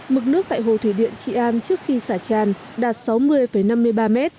mực nước tại hồ thủy điện trị an trước khi xả tràn đạt sáu mươi năm mươi ba m